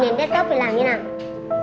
nhìn desktop thì làm như thế nào